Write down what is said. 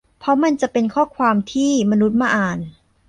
เพราะมันจะเป็นข้อความที่มนุษย์มาอ่าน